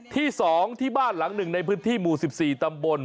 ที่๒ที่บ้านหลังหนึ่งในพื้นที่หมู่๑๔ตำบล